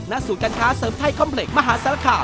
นักสูตรการค้าเสิร์ฟไทยคอมเพล็กมหาศาลค่า